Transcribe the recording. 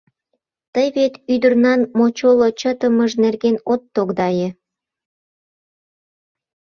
Тый вет ӱдырнан мочоло чытымыж нерген от тогдае.